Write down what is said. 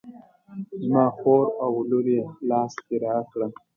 زما خور او لور یې لاس دې را کړه.